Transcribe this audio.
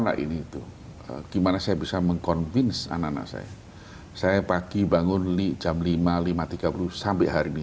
hari itu gimana saya bisa mengkonfirmasi anak saya saya pagi bangun jam lima tiga puluh sampai hari ini